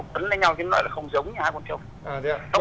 chứ nó lại là không giống như hai con trông